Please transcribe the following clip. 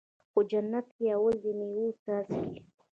خو جنت کې اولي د مَيو څاڅکی